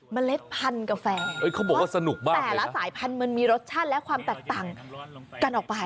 เล็ดพันธุ์กาแฟเขาบอกว่าสนุกมากแต่ละสายพันธุ์มันมีรสชาติและความแตกต่างกันออกไป